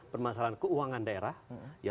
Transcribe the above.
permasalahan keuangan daerah ya